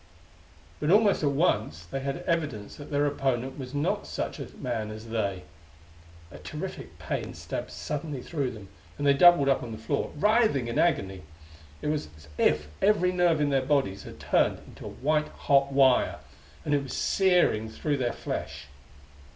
But almost at once they had evidence that their opponent was not such a man as they. A terrific pain stabbed suddenly through them, and they doubled up on the floor, writhing in agony. It was as if every nerve in their bodies had turned into white hot wire, and was searing through their flesh.